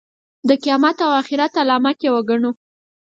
د قیامت او آخرت علامت یې وګڼو.